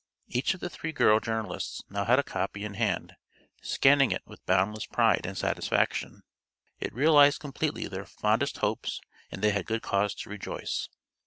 Each of the three girl journalists now had a copy in hand, scanning it with boundless pride and satisfaction. It realized completely their fondest hopes and they had good cause to rejoice.